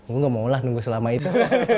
gue nggak maulah nunggu selama itu